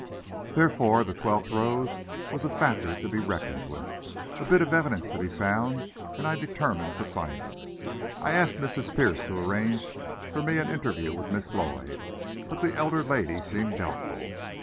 Therefore the twelfth rose was a factor to be reckoned with, a bit of evidence to be found; and I determined to find it. I asked Mrs. Pierce to arrange for me an interview with Miss Lloyd, but the elder lady seemed doubtful.